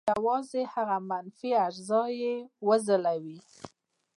یوازې هغه منفي اجزا یې وځلوي.